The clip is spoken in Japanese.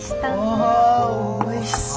わあおいしそう！